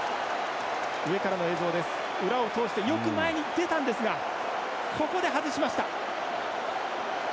裏を通してよく前に出たんですがここで外しました。